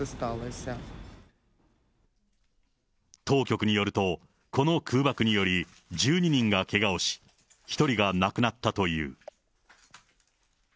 当局によると、この空爆により、１２人がけがをし、１人が亡くなったという。